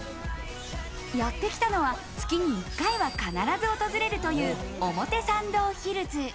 やってきたのは月に１回は必ず訪れるという、表参道ヒルズ。